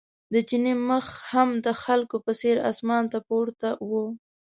د چیني مخ هم د خلکو په څېر اسمان ته پورته و.